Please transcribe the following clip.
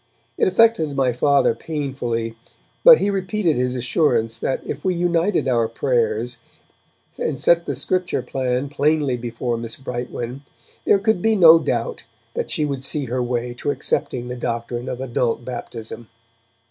It affected my Father painfully, but he repeated his assurance that if we united our prayers, and set the Scripture plan plainly before Miss Brightwen, there could be no doubt that she would see her way to accepting the doctrine of adult baptism.